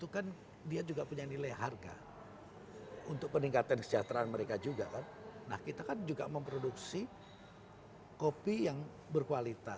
kalau dari pasar itu tergantung nanti akhirnya